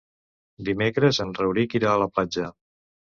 Dimecres en Rauric irà a la platja.